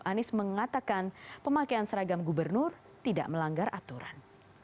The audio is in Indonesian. anies mengatakan pemakaian seragam gubernur tidak melanggar aturan